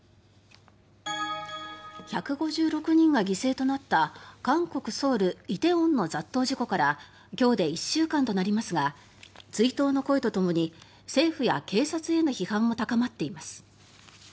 １５６人が犠牲となった韓国ソウル・梨泰院の雑踏事故から今日で１週間となりますが追悼の声とともに政府や警察への批判も高まっています。